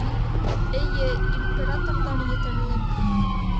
Эйе, императорҙар етерлек.